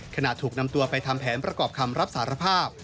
ถูกนำตัวไปทำแผนประกอบคำรับสารภาพ